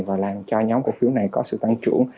và làm cho nhóm cổ phiếu này có sự tăng trưởng